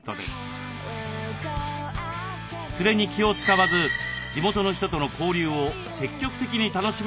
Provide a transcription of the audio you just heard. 連れに気を遣わず地元の人との交流を積極的に楽しめるのもソロ旅の魅力。